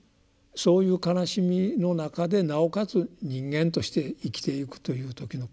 そういう悲しみの中でなおかつ人間として生きていくという時の苦しみですね。